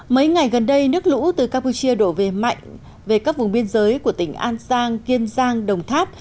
mấy ngày gần đây nước lũ từ campuchia đổ về mạnh về các vùng biên giới của tỉnh an giang kiên giang đồng tháp